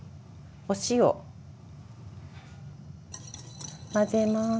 お塩。混ぜます。